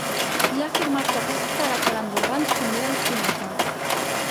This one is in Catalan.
I ha afirmat que “aquest caràcter andorrà ens convida a l’optimisme”.